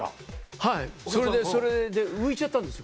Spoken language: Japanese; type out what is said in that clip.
はいそれで浮いちゃったんですよ